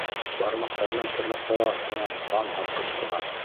Бармаҡтарының тырнаҡтары аҫтынан ҡан һарҡып сыға.